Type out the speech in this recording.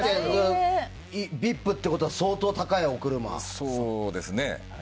ＶＩＰっていうことは相当高いお車。